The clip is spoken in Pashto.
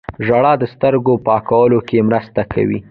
ژړا د سترګو پاکولو کې مرسته کوي